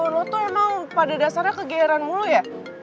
lo tuh emang pada dasarnya kegeran mulu ya